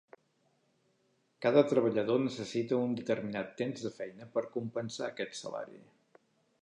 Cada treballador necessita un determinat temps de feina per compensar aquest salari.